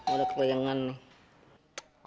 udah kelejangan nih